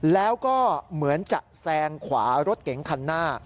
แล้วก็เหมือนจะแซงขวารถเก๋งคันหน้า